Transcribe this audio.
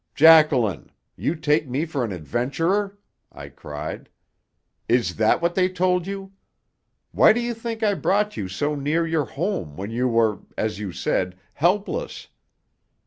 "Jacqueline! You take me for an adventurer?" I cried. "Is that what they told you? Why do you think I brought you so near your home when you were, as you said, helpless?